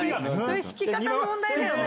それ弾き方の問題だよね。